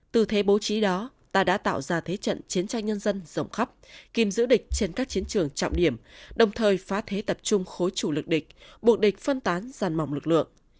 từ thế bố trí đó ta đã tạo ra thế trận chiến tranh nhân dân rộng khắp kim giữ địch trên các chiến trường trọng điểm đồng thời phá thế tập trung khối chủ lực địch buộc địch phân tán giàn mỏng lực lượng